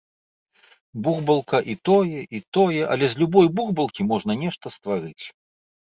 Бурбалка і тое, і тое, але з любой бурбалкі можна нешта стварыць.